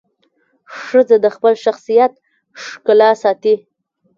ښځه د خپل شخصیت ښکلا ساتي.